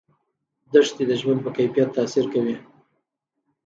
دښتې د ژوند په کیفیت تاثیر کوي.